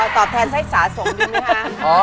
อ๋อตอบแทนใส่สาสงดีไหมคะ